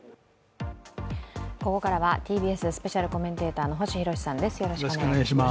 ここからはＴＢＳスペシャルコメンテーターの星浩さんです。